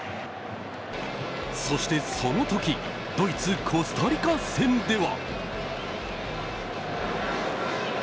そしてその時ドイツ・コスタリカ戦では。